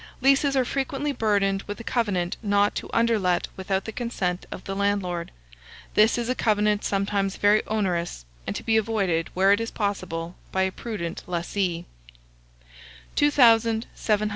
Leases are frequently burdened with a covenant not to underlet without the consent of the landlord: this is a covenant sometimes very onerous, and to be avoided, where it is possible, by a prudent lessee. 2704.